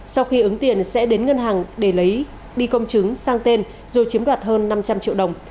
sau khi ứng tiền sẽ đến ngân hàng để lấy đi công chứng sang tên rồi chiếm đoạt hơn năm trăm linh triệu đồng